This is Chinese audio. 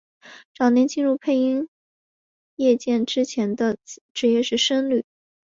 早年进入配音业界之前的职业是僧侣。